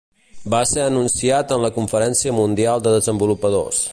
Va ser anunciat en la Conferència Mundial de Desenvolupadors.